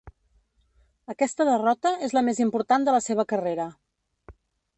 Aquesta derrota és la més important de la seva carrera.